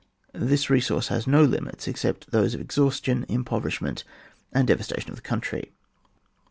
This resource has no limits except those of the exhaustion, impoverishment, and devastation of the country.